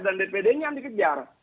dan dpd nya yang dikejar